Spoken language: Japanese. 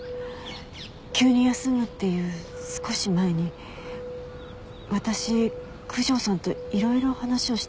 急に休むって言う少し前に私九条さんと色々話をしたんです。